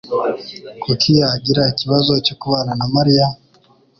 Kuki yagira ikibazo cyo kubana na Mariya?